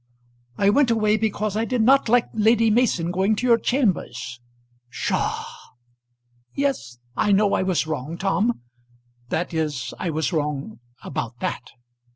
"I went away because I did not like Lady Mason going to your chambers." "Psha!" "Yes; I know I was wrong, Tom. That is I was wrong about that."